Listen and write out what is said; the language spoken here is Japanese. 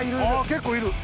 結構いる。